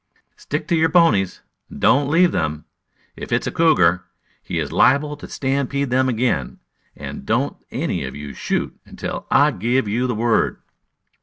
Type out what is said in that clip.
"Stick to your ponies. Don't leave them. If it's a cougar, he is liable to stampede them again. And don't any of you shoot until I give you the word."